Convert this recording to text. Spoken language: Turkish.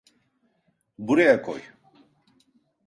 Buraya koy.